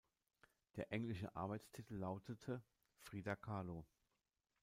Der englische Arbeitstitel lautete: "Frida Kahlo".